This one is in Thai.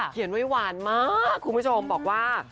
เขียนไว้หวานมากคุณผู้ชมบอกว่า